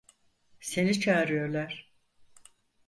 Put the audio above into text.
Seni çağırıyorlar.